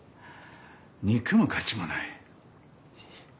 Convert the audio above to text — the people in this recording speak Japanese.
憎む価値もない。